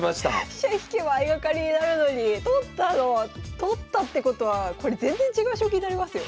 飛車引けば相掛かりになるのに取ったの⁉取ったってことはこれ全然違う将棋になりますよ。